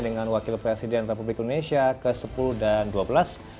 dengan wakil presiden republik indonesia ke sepuluh dan ke dua belas